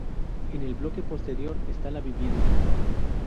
En el bloque posterior está la vivienda.